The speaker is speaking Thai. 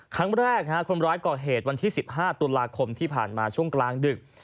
ครั้งแรกคนร้ายก่อเหตุวันที่๑๕ตุลาคมที่ผ่านมาช่วงกลางดึก